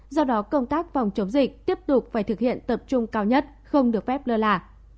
do đó công tác phòng chống dịch tiếp tục phải thực hiện tập trung cao nhất không được phép lơ là